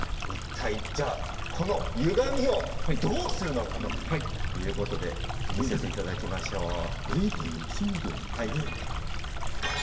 このゆがみをどうするのかということで見せていただきましょう。